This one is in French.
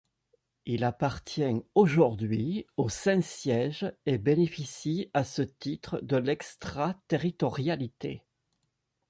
Il appartient aujourd'hui au Saint-Siège, et bénéficie à ce titre de l'extraterritorialité.